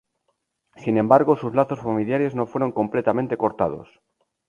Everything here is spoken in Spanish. Sin embargo, sus lazos familiares no fueron completamente cortados.